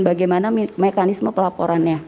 bagaimana mekanisme pelaporannya